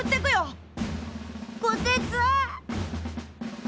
こてつ！